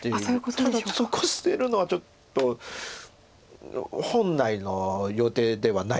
ただそこ捨てるのはちょっと本来の予定ではないと思います。